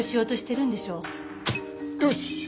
よし！